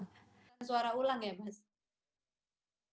pemulihan suara ulang ya mas